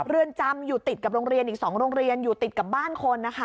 เรือนจำอยู่ติดกับโรงเรียนอีก๒โรงเรียนอยู่ติดกับบ้านคนนะคะ